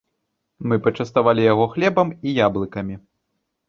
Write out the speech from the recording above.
Мы пачаставалі яго хлебам і яблыкамі.